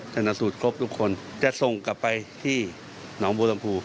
จะนัดสูตรครบทุกคนจะส่งกลับไปที่หนองบูรรณภู